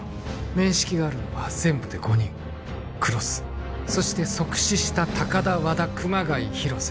面識があるのは全部で５人黒須そして即死した高田和田熊谷廣瀬